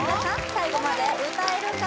最後まで歌えるか？